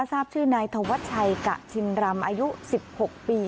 ทราบชื่อนายธวัชชัยกะชินรำอายุ๑๖ปี